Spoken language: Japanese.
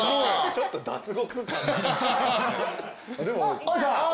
ちょっと脱獄感が。